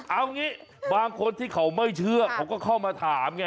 เอางี้บางคนที่เขาไม่เชื่อเขาก็เข้ามาถามไง